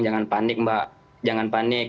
jangan panik mbak jangan panik